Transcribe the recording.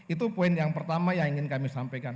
itu poin yang pertama yang ingin kami sampaikan